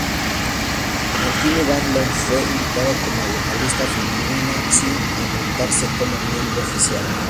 Martine van Loon fue invitada como vocalista femenina, sin acreditarse como miembro oficial.